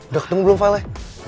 udah ketemu belum filenya